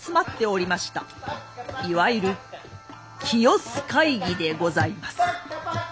いわゆる清須会議でございます。